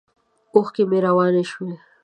اوښکې مې روانې شوې.